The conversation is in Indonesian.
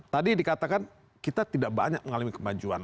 tadi dikatakan kita tidak banyak mengalami kemajuan